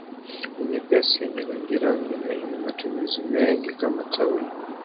Ni nyepesi yenye rangirangi na ina matumizi mengi kama taulo